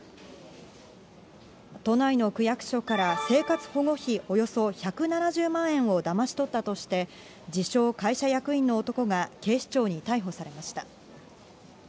都内の区役所から生活保護費およそ１７０万円をだまし取ったとして、自称会社役員の男が警視庁に逮捕されました。